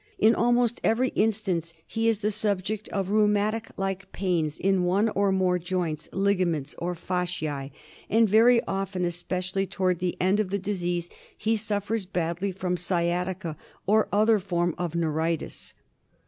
In almost every instance he is the subject of rheumatic like pains in one or more joints, ligaments, or fasciae ; and very often, especially towards the end of the disease, he suffers badly from sciatica or other form of neuritis.